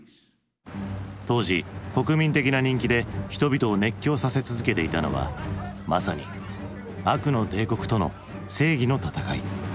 当時国民的な人気で人々を熱狂させ続けていたのはまさに悪の帝国との正義の戦い。